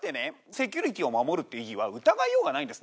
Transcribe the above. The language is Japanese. セキュリティを守るって意義は疑いようがないんです。